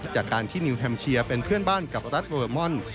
จากการที่นิวแฮมเชียร์เป็นเพื่อนบ้านกับรัฐเวอร์มอน